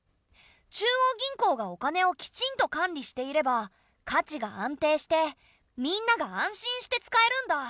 中央銀行がお金をきちんと管理していれば価値が安定してみんなが安心して使えるんだ。